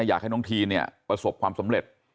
อยากให้น้องทีนเนี่ยประสบความสำเร็จ